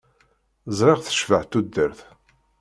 Ẓriɣ tecbeḥ tudert.